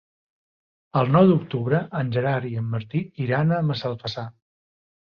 El nou d'octubre en Gerard i en Martí iran a Massalfassar.